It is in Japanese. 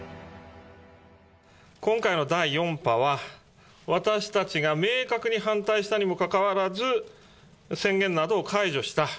今回の第４波は、私たちが明確に反対したにもかかわらず、宣言などを解除した、